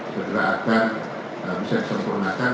segera akan bisa disempurnakan